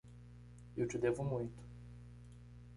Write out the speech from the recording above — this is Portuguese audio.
Eu te devo muito.